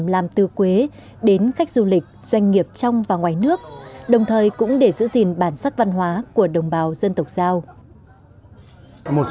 là mầm non tương lai của đất nước